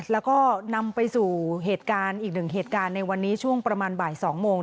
แล้วก็นำไปสู่เหตุการณ์อีกหนึ่งเหตุการณ์ในวันนี้ช่วงประมาณบ่าย๒โมง